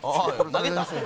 投げた！